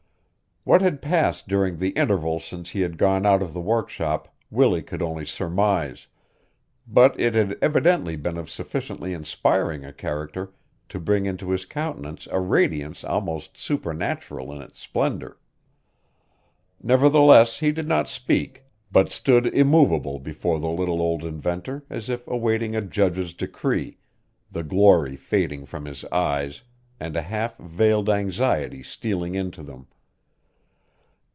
What had passed during the interval since he had gone out of the workshop Willie could only surmise, but it had evidently been of sufficiently inspiring a character to bring into his countenance a radiance almost supernatural in its splendor. Nevertheless he did not speak but stood immovable before the little old inventor as if awaiting a judge's decree, the glory fading from his eyes and a half veiled anxiety stealing into them.